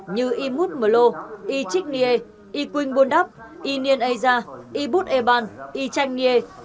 như imut mơ lô yichik nghie yquing buôn đắp y nien aya ybut eban y chanh nghie